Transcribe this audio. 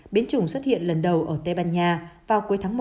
biến chủng xuất hiện lần đầu ở tây ban nha vào cuối tháng một